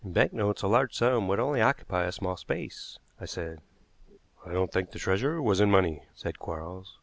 "In banknotes a large sum would only occupy a small space," I said. "I don't think the treasure was in money," said Quarles.